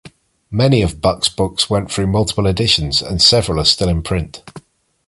Many of Buck's books went through multiple editions, and several are still in print.